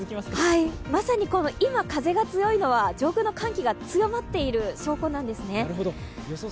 まさに今、風が強いのは上空の寒気が強まっている証拠なんですね。